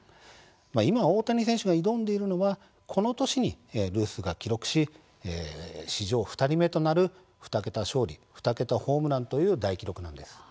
今、大谷選手が挑んでいるのはこの年にルースが記録し史上２人目となる２桁勝利２桁ホームランという大記録なんです。